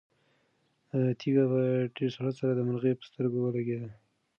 تیږه په ډېر سرعت سره د مرغۍ په سترګه ولګېده.